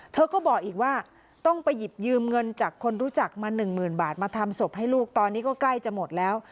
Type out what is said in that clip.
เธอก็บอกอีกว่าต้องไปหยิบยืมเงินจากคนรู้จักมาหนึ่งหมื่นบาทมาทำศพให้ลูกตอนนี้ก็ใกล้จะหมดแล้ว